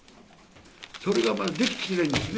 それが出てきてないんですね。